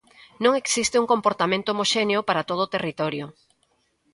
Non existe un comportamento homoxéneo para todo o territorio.